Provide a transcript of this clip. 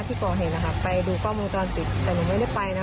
พี่ก่อเห็นนะครับไปดูข้อมูลการติดแต่หนูไม่ได้ไปนะ